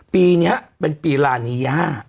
ปีนี้เป็นปีลานีย่า